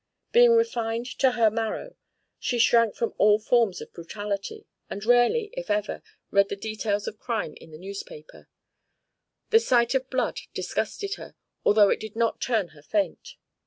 Being refined to her marrow, she shrank from all forms of brutality, and rarely, if ever, read the details of crime in the newspapers. The sight of blood disgusted her, although it did not turn her faint.